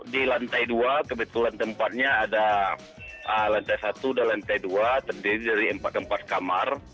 di lantai dua kebetulan tempatnya ada lantai satu dan lantai dua terdiri dari empat empat kamar